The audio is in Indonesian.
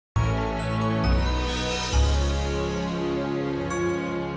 sampai jumpa di video selanjutnya